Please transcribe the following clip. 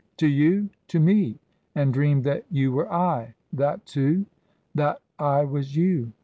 "To you?" "To me." "And dreamed that you were I? That too?" "That I was you."